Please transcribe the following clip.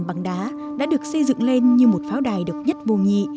bằng đá đã được xây dựng lên như một pháo đài độc nhất vô nhị